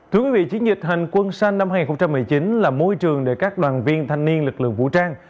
thưa quý vị chiến dịch hành quân xanh năm hai nghìn một mươi chín là môi trường để các đoàn viên thanh niên lực lượng vũ trang